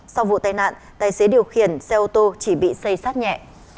sau vụ tai nạn tài xế điều khiển xe ô tô chỉ bị xây sát nhẹ